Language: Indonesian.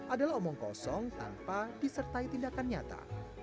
adalah omong kosong tanpa disertai tindakan nyata